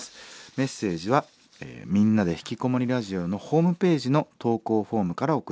メッセージは「みんなでひきこもりラジオ」のホームページの投稿フォームから送って下さい。